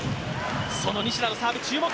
その西田のサーブ、注目。